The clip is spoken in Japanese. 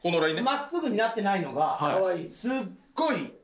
真っすぐになってないのがすっごい。